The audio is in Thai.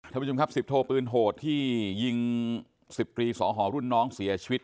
ท่านผู้ชมครับสิบโทปืนโหดที่ยิง๑๐ตรีสอหอรุ่นน้องเสียชีวิต